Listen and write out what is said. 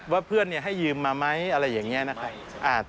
ว่าเพื่อนให้ยืมมาไหมอะไรอย่างนี้นะครับ